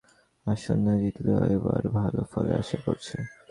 BJP আগে মেঘালয়ে কোনো আসন না জিতলেও এবার ভালো ফলের আশা করছে।